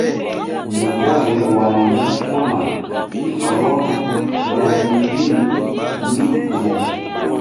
Guboya wali mu fula isololo ya ningili mikubo.